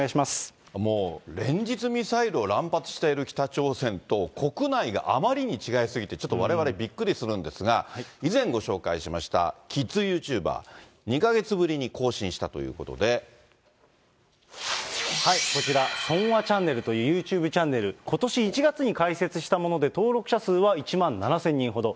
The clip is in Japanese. もう、連日、ミサイルを乱発している北朝鮮と、国内があまりに違い過ぎてちょっとわれわれ、びっくりするんですが、以前ご紹介しましたキッズユーチューバー、２か月ぶりに更新したこちら、ソンアチャンネルというユーチューブチャンネル、ことし１月に開設したもので、登録者数は１万７０００人ほど。